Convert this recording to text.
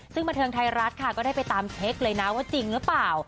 ซึ่งบันเทิงไทยรัฐค่ะก็ได้ไปตามเช็คเลยนะว่าจริงหรือเปล่า